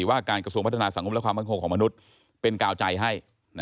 ว่าการกระทรวงพัฒนาสังคมและความมั่นคงของมนุษย์เป็นกาวใจให้